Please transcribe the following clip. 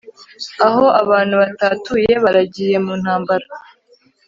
Aho abantu batatuyeBaragiye mu ntambara